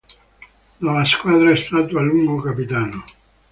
Della squadra è stato a lungo capitano.